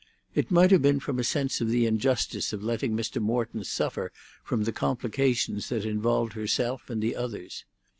It might have been from a sense of the injustice of letting Mr. Morton suffer from the complications that involved herself and the others.